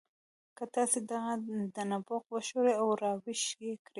که تاسې دغه نبوغ وښوروئ او راویښ یې کړئ